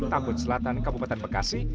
tampun selatan kabupaten bekasi